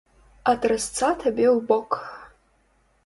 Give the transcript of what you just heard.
А трасца табе ў бок!